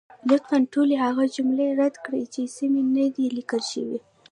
لطفا ټولې هغه جملې رد کړئ، چې سمې نه دي لیکل شوې.